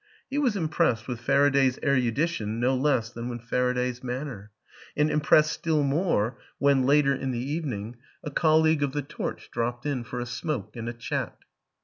He was impressed with Faraday's erudi tion no less than with Faraday's manner; and im pressed still more when, later in the evening, a WILLIAM AN ENGLISHMAN 15 colleague of The Torch dropped in for a smoke and a chat.